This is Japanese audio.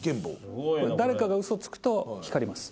誰かが嘘つくと光ります。